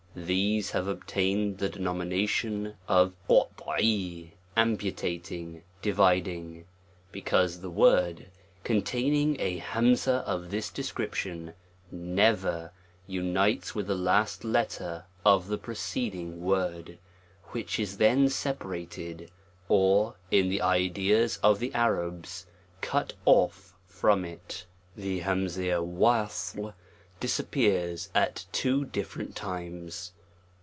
THESE have ootained tne denomination of a LJ amputating, dividing ; because the word, containing a humzah of this description never, unites with the last letter of the preceding word, which is then sepa rated, or, in the ideas of the Arabs> cut off from it; THE Jj ij yA disappears at two different time*.